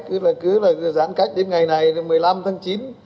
cứ là cứ giãn cách đến ngày này một mươi năm tháng chín